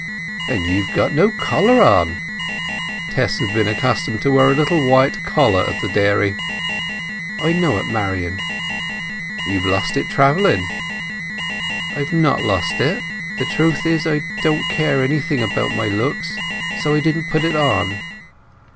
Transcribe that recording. "And you've got no collar on" (Tess had been accustomed to wear a little white collar at the dairy). "I know it, Marian." "You've lost it travelling." "I've not lost it. The truth is, I don't care anything about my looks; and so I didn't put it on."